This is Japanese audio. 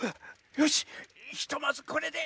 よしひとまずこれで。